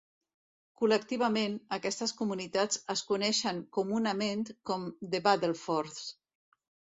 Col·lectivament, aquestes comunitats es coneixen comunament com "The Battlefords".